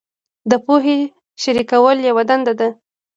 د پوهې شریکول یوه دنده ده.